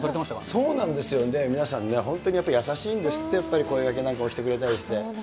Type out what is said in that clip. そうなんですよ、皆さんね、やっぱ優しいんですって、声がけなんかしてくれたりして。